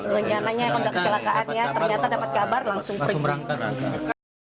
rencananya kondak kesalahan ternyata dapat kabar langsung pergi